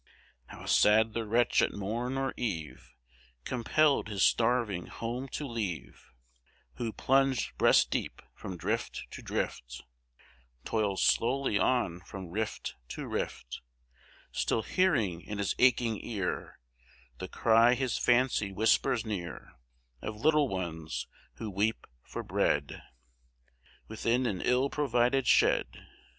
How sad the wretch at morn or eve Compelled his starving home to leave, Who, plunged breast deep from drift to drift, Toils slowly on from rift to rift, Still hearing in his aching ear The cry his fancy whispers near, Of little ones who weep for bread Within an ill provided shed!